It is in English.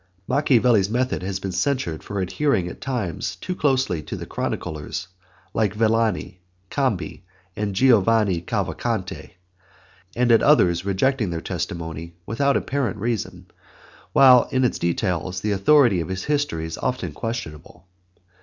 Machiavelli's method has been censured for adhering at times too closely to the chroniclers like Villani, Cambi, and Giovanni Cavalcanti, and at others rejecting their testimony without apparent reason, while in its details the authority of his History is often questionable.